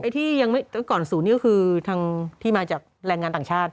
ไอ้ที่ก่อน๐นี่ก็คือที่มาจากแรงงานต่างชาติ